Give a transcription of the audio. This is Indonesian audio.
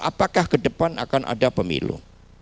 apakah kedepan akan ada pemilu